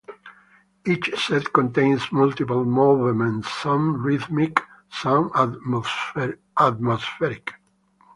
Each set contains multiple movements, some rhythmic, some atmospheric.